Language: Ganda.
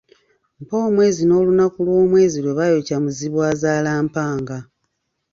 Mpa omwezi n’olunaku lwomwezi lwe baayokya Muzibwazalampanga.